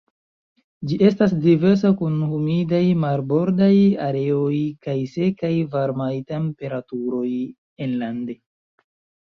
Ĝi estas diversa kun humidaj marbordaj areoj kaj sekaj varmaj temperaturoj enlande.